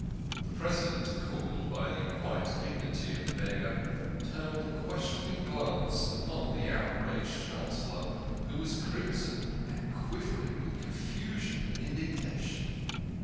The President, cooled by the quiet dignity of the beggar, turned a questioning glance upon the outraged Chancellor, who was crimson and quivering with confusion and indig nation.